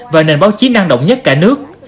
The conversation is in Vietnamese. và nền báo chí năng động nhất cả nước